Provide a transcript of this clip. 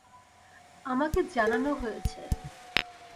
আমাকে জানানো হয়েছে।